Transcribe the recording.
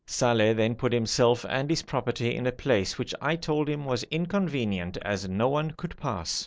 Saleh then put himself and his property in a place which I told him was inconvenient as no one could pass.